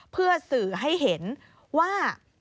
เพื่อสื่อให้เห็นว่า